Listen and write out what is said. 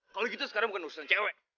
kalau gitu sekarang bukan urusan cewek